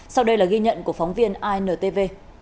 sau đây là ghi nhận của phóng viên intv